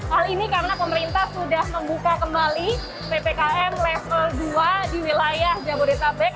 hal ini karena pemerintah sudah membuka kembali ppkm level dua di wilayah jabodetabek